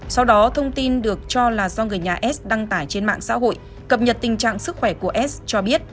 sau đó thông tin được cho là do người nhà s đăng tải trên mạng xã hội cập nhật tình trạng sức khỏe của s cho biết